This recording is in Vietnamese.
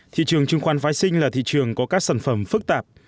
thị trường chứng khoán phái sinh là thị trường có các sản phẩm phức tạp